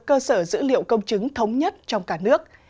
cơ sở dữ liệu công chứng thống nhất trong cả nước